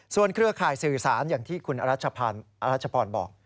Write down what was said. เครือข่ายสื่อสารอย่างที่คุณอรัชพรบอก